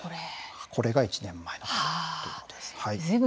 これが１年前のことです。